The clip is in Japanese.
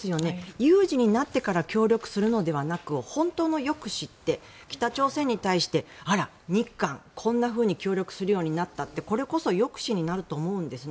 有事になってから協力するのではなく本当の抑止って北朝鮮に対してあら、日韓、こんなふうに協力するようになったってこれこそ抑止になると思うんですね。